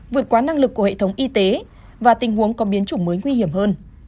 vượt quá năng lực của hệ thống y tế và tình huống có biến chủng mới nguy hiểm hơn